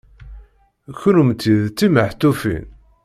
Kennemti d timehtufin.